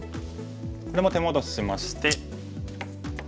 これも手戻ししまして。